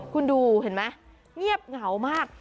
คุณดูเห็นไหมเงียบเหงามาก